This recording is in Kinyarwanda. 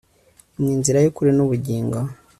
niwe nzira yukuri nubugingo